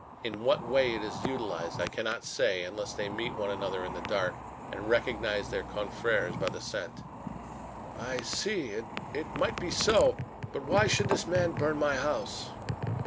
In what way it is utilized I cannot say, unless they meet one another in the dark, and recognize their confreres by the scent." "I see. It might be so. But why should this man burn my house?"